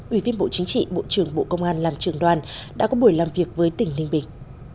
ủy viên bộ chính trị bộ trưởng bộ công an làm trường đoàn đã có buổi làm việc với tỉnh ninh bình